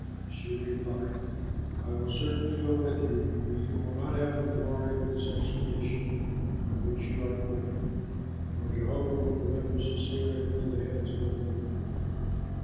She replied, "I will certainly go with you, only you will not have the glory in this expedition on which you are going, for Jehovah will deliver Sisera into the hands of a woman."